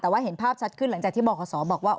แต่ว่าเห็นภาพชัดขึ้นหลังจากที่บอกขอสอบอกว่า